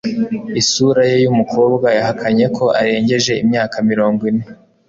isura ye yumukobwa yahakanye ko arengeje imyaka mirongo ine